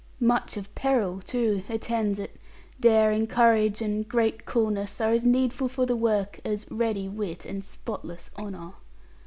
Much of peril too attends it; daring courage and great coolness are as needful for the work as ready wit and spotless honour.